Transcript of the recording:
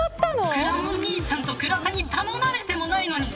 くらもん兄さんと倉田に頼まれてもないのにさ。